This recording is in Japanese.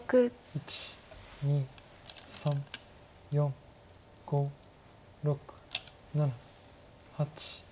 １２３４５６７８。